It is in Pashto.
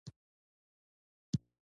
دا ترشحات د صماخ پردې مخ وپوښي.